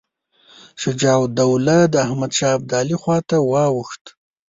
شجاع الدوله د احمدشاه ابدالي خواته واوښت.